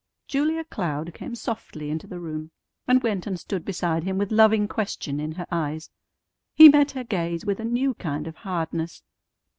Julia Cloud came softly into the room, and went and stood beside him with loving question in her eyes. He met her gaze with a new kind of hardness.